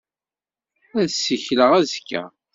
Ad ssikleɣ azekka.